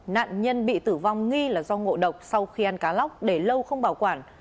nạn nhân bị tử vong nghi là do ngộ độc sau khi ăn cá lóc để lâu không bảo quản